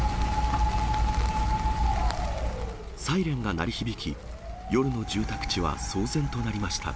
サイレンが鳴り響き、夜の住宅地は騒然となりました。